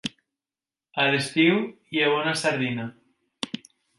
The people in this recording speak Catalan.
A l'estiu hi ha bona sardina.